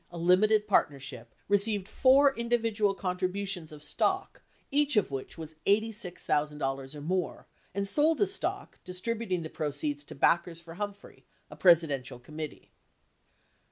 a limited partnership, received four individual contributions of stock each of which was $86,000 or more and sold the stock, distributing the proceeds to Backers for Humphrey, a Presidential committee.